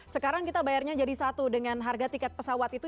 sekarang kita bayarnya jadi satu dengan harga tiket pesawat itu